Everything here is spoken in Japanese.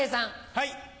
はい。